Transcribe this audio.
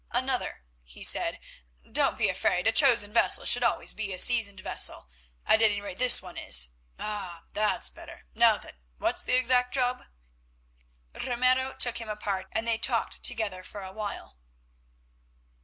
"Another," he said. "Don't be afraid. A chosen vessel should also be a seasoned vessel; at any rate this one is. Ah! that's better. Now then, what's the exact job?" Ramiro took him apart and they talked together for a while.